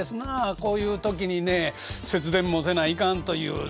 こういう時にね節電もせないかんというね。